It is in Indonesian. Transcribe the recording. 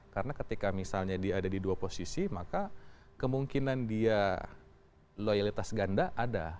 karena ketika misalnya dia ada di dua posisi maka kemungkinan dia loyalitas ganda ada